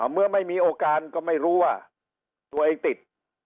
เมื่อไม่มีโอกาสก็ไม่รู้ว่าตัวเองติด